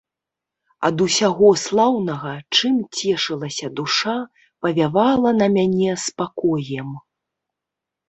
Ад усяго слаўнага, чым цешылася душа, павявала на мяне спакоем.